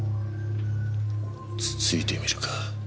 つついてみるか。